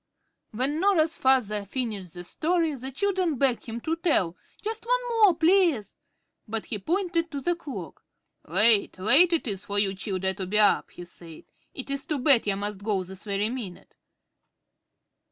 When Norah's father finished the story, the children begged him to tell "just one more, plaze." But he pointed to the clock. "Late, late it is for you childer to be up," he said. "It is to bed ye must go this very minute."